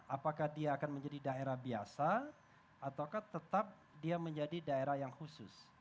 apakah dia akan menjadi daerah biasa atau tetap dia menjadi daerah yang khusus